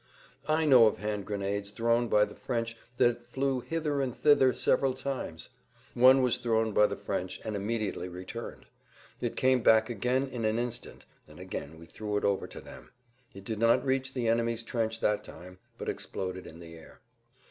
I know of hand grenades thrown by the French that flew hither and thither several times. One was thrown by the French and immediately returned; it came back again in an instant, and again we threw it over to them; it did not reach the enemy's trench that time, but exploded in the air.